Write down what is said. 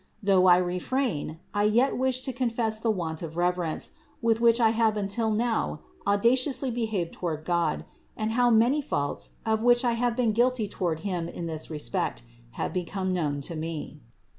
Though I refrain, I yet wish to confess the want of reverence, with which I have until now auda ciously behaved toward God, and how many faults, of which I have been guilty toward Him in this respect, have become known to me.